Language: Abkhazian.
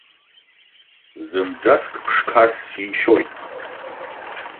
Зынӡаск ԥшқас сишьоит.